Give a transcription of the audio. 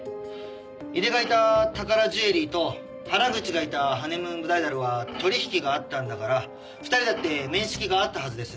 井出がいた宝ジュエリーと原口がいたハネムーンブライダルは取引があったんだから２人だって面識があったはずです。